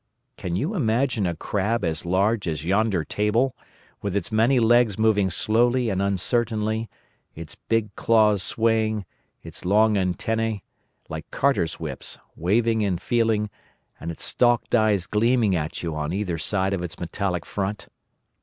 Can you imagine a crab as large as yonder table, with its many legs moving slowly and uncertainly, its big claws swaying, its long antennæ, like carters' whips, waving and feeling, and its stalked eyes gleaming at you on either side of its metallic front?